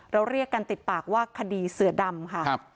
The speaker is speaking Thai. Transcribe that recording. แล้วเรียกกันติดปากว่าคดีเสือดำค่ะครับ